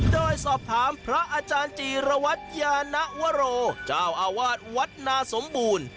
โดยสอบถามพระอาจารย์จีรวัตรยานวโรเจ้าอาวาสวัดนาสมบูรณ์